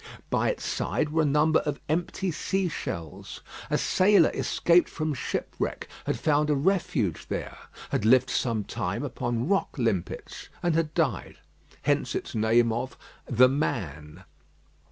By its side were a number of empty sea shells. A sailor escaped from shipwreck had found a refuge there; had lived some time upon rock limpets, and had died. Hence its name of "The Man."